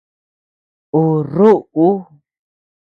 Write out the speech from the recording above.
Ú rúʼu.